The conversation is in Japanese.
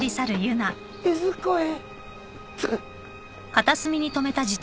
いずこへ？